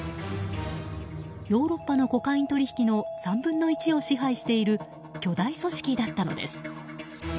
ヨーロッパのコカイン取引の３分の１を支配している巨大組織だったのです。